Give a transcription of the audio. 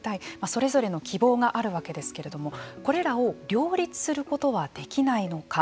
それぞれの希望があるわけですけれどもこれらを両立することはできないのか。